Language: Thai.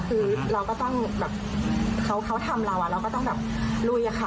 คือเราก็ต้องแบบเขาทำเราเราก็ต้องแบบลุยอะค่ะ